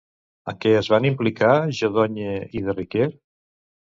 En què es van implicar Jodogne i de Riquer?